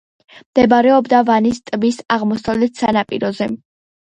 მდებარეობდა ვანის ტბის აღმოსავლეთ სანაპიროზე.